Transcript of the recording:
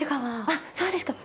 あっそうですか。